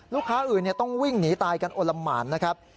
ลูกค้าอื่นต้องวิ่งหนีตายกันโอละหมานนะครับ